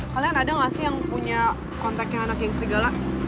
kalian ada gak sih yang punya kontaknya anak yang segala